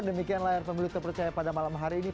demikian layar pemilu terpercaya pada malam hari ini